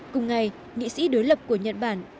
cùng ngày nghị sĩ đối lập của nhật bản